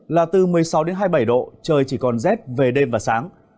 là từ một mươi sáu đến hai mươi bảy độ trời chỉ còn rét về đêm và sáng